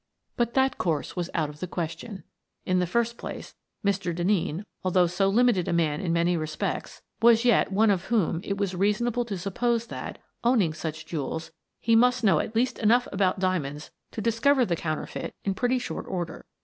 But that course was out of the question. In the first place, Mr. Denneen, although so limited a man in many respects, was yet one of whom it was rea Felony 4i sonable to suppose that, owning such jewels, he must know at least enough about diamonds to dis cover the counterfeit in pretty short order.